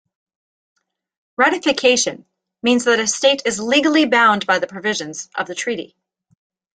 Ratification means that a state is legally bound by the provisions of the treaty.